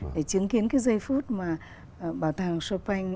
để chứng kiến cái giây phút mà bảo tàng chopin